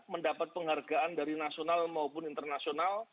mendapat penghargaan dari nasional maupun internasional